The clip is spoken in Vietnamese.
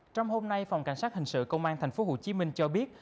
trong hôm nay phòng cảnh sát hình sự công an thành phố hồ chí minh cho biết